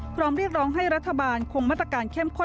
พร้อมเรียกร้องให้รัฐบาลคงมาตรการเข้มข้น